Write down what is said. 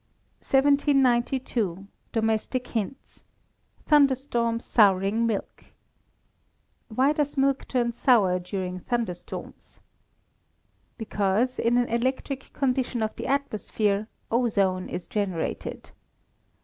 1792. Domestic Hints (Thunderstorms Souring Milk). Why does milk turn sour during thunderstorms? Because, in an electric condition of the atmosphere, ozone is generated.